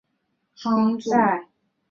弗朗努瓦。